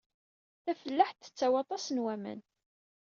Tafellaḥt tettawi aṭas n waman.